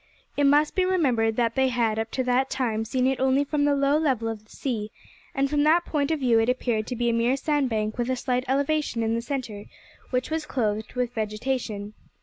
It must be remembered that they had, up to that time, seen it only from the low level of the sea, and from that point of view it appeared to be a mere sandbank with a slight elevation in the centre, which was clothed with vegetation.